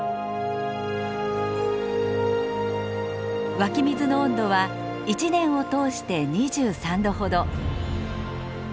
湧き水の温度は一年を通して２３度ほど。